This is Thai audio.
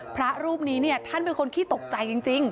พระรูปนี้เนี่ยท่านเป็นคนขี้ตกใจจริง